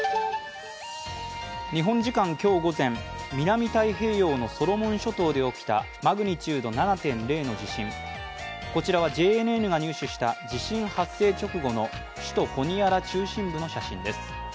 日本時間今日午前南太平洋のソロモン諸島で起きたマグニチュード７．０の地震、こちらはＪＮＮが入手した地震発生直後の首都ホニアラ中心部の写真です。